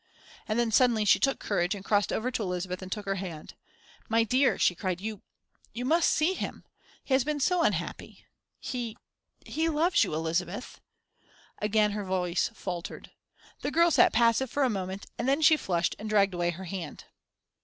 And then suddenly she took courage and crossed over to Elizabeth and took her hand. "My dear," she cried, "you you must see him. He has been so unhappy. He he loves you, Elizabeth." Again her voice faltered. The girl sat passive for a moment, and then she flushed and dragged away her hand.